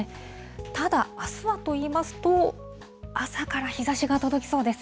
ただあすはといいますと、朝から日ざしが届きそうです。